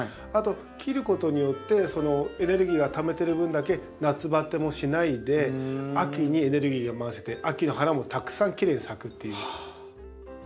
あと切ることによってエネルギーがためてる分だけ夏バテもしないで秋にエネルギーが回せて秋の花もたくさんきれいに咲くっていう。